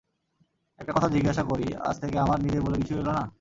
একটা কথা জিজ্ঞাসা করি, আজ থেকে আমার নিজের বলে কিছুই রইল না?